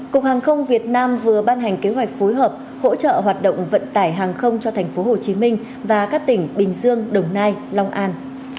cục hàng không việt nam vừa ban hành kế hoạch phối hợp hỗ trợ hoạt động vận tải hàng không cho thành phố hồ chí minh và các tỉnh bình dương đồng nai long an